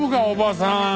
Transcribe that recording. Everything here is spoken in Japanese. おばさん。